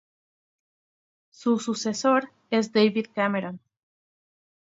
Su sucesor es David Cameron.